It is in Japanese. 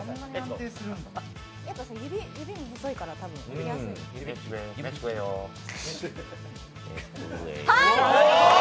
指も細いから多分、やりやすい。